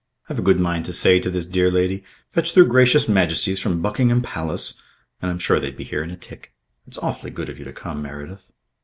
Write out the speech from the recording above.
I've a good mind to say to this dear lady, 'Fetch their gracious Majesties from Buckingham Palace,' and I'm sure they'd be here in a tick. It's awfully good of you to come, Meredyth."